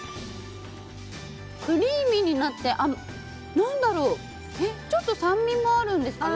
クリーミーになって何だろうちょっと酸味もあるんですかね。